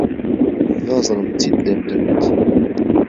نازانم چیت لێم دەوێت.